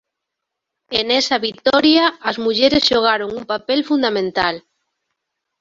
E nesa vitoria as mulleres xogaron un papel fundamental.